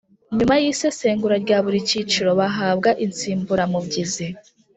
nyuma y isesengura rya buri cyiciro bahabwa insimburamubyizi